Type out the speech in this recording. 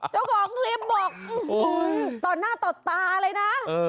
เจ้าของคลิปบอกต่อหน้าต่อตาเลยนะ